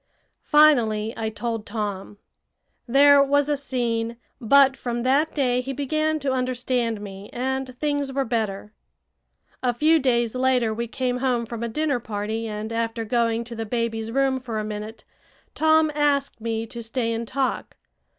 Finally I told Tom. There was a scene; but from that day he began to understand me, and things were better. A few days later we came home from a dinner party, and, after going to the baby's room for a minute, Tom asked me to stay and talk.